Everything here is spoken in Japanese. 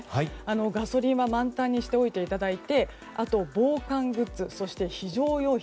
ガソリンは満タンにしておいていただいて防寒グッズ、そして非常用品